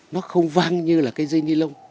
nó không vang như là cái dây ni lông